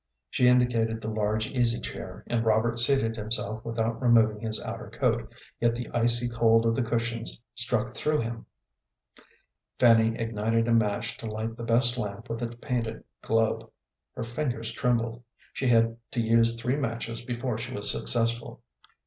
She indicated the large easy chair, and Robert seated himself without removing his outer coat, yet the icy cold of the cushions struck through him. Fanny ignited a match to light the best lamp with its painted globe. Her fingers trembled. She had to use three matches before she was successful.